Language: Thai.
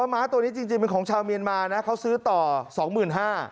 ว่าหมาตัวนี้จริงเป็นของชาวเมียนมานะเขาซื้อต่อ๒๕๐๐๐บาท